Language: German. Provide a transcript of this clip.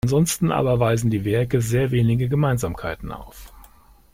Ansonsten aber weisen die Werke sehr wenige Gemeinsamkeiten auf.